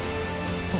あ。